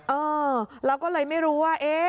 เออเราก็เลยไม่รู้ว่า